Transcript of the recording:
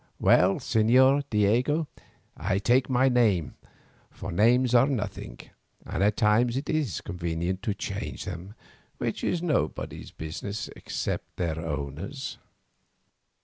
Well, Señor Diego, I take your name, for names are nothing, and at times it is convenient to change them, which is nobody's business except their owners".